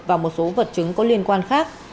và một số vật chứng có liên quan khác